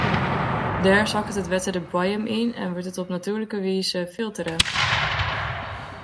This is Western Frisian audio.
Dêr sakket it wetter de boaiem yn en wurdt it op natuerlike wize filtere.